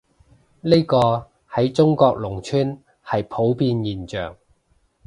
呢個，喺中國農村係普遍現象